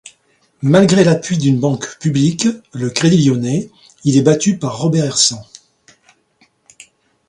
Malgré l'appui d'une banque publique, le Crédit lyonnais, il est battu par Robert Hersant.